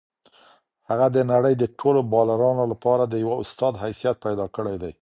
هغه د نړۍ د ټولو بالرانو لپاره د یو استاد حیثیت پیدا کړی دی.